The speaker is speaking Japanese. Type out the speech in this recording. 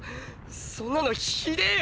そんなのひでぇよ。